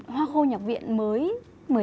hoa khôi nhạc viện mới